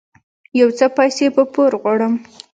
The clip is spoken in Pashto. يو څه پيسې په پور غواړم